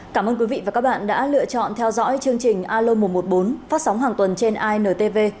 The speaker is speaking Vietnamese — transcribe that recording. cảm ơn quý vị và các bạn đã lựa chọn theo dõi chương trình alo một trăm một mươi bốn phát sóng hàng tuần trên intv